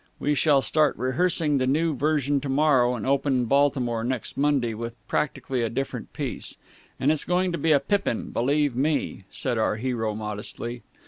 We shall start rehearsing the new version to morrow and open in Baltimore next Monday with practically a different piece. And it's going to be a pippin, believe me, said our hero modestly.